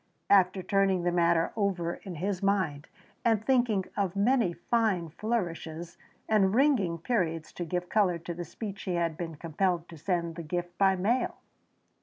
After turning the matter over in his mind and thinking of many fine flourishes and ringing periods to give colour to the speech he had been compelled to send the gift by mail.